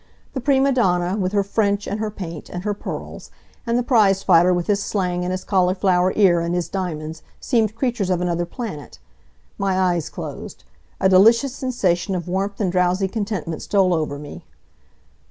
The prima donna, with her French, and her paint, and her pearls, and the prizefighter with his slang, and his cauliflower ear, and his diamonds, seemed creatures of another planet. My eyes closed. A delicious sensation of warmth and drowsy contentment stole over me.